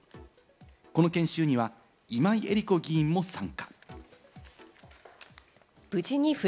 この研修には今井絵理子議員も参加。